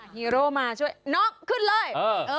ฮีโร่มาช่วยน็อกขึ้นเลย